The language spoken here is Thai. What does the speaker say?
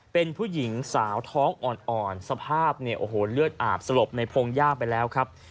เป็นผู้หญิงสาวท้องอ่อนสภาพเนี่ยโอ้โหเลือดอาบสลบในพงหญ้าไปแล้วครับ